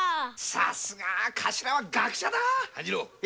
さすが頭は学者だ半次郎！